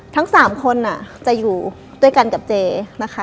ทั้ง๓คนจะอยู่ด้วยกันกับเจนะคะ